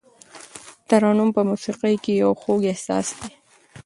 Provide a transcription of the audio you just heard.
ترنم په موسیقۍ کې یو خوږ احساس دی.